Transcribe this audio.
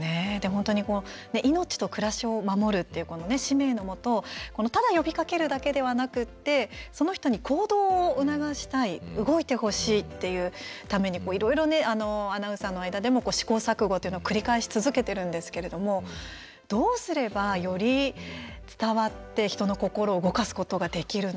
本当に命と暮らしを守るというこの使命のもとただ呼びかけるだけではなくってその人に行動を促したい動いてほしいっていうためにいろいろアナウンサーの間でも試行錯誤というのを繰り返し続けてるんですけれどもどうすれば、より伝わって人の心を動かすことができるんでしょうか？